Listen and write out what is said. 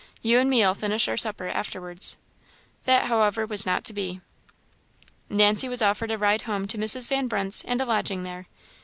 you and me'll finish our supper afterwards." That, however, was not to be. Nancy was offered a ride home to Mrs. Van Brunt's, and a lodging there.